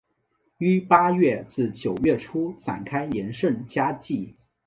于八月至九月初展开连胜佳绩。